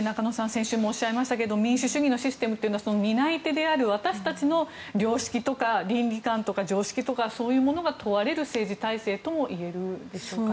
先週もおっしゃいましたけど民主主義のシステムというのは担い手である私たちの良識や倫理観、常識がそういうものが問われる政治体制ともいえるんでしょうか。